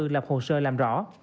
lập hồ sơ làm rõ